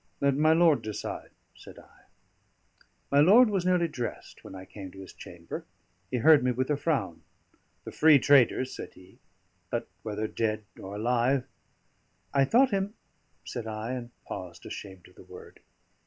"Let my lord decide," said I. My lord was nearly dressed when I came to his chamber. He heard me with a frown. "The free traders," said he. "But whether dead or alive?" "I thought him " said I, and paused, ashamed of the word.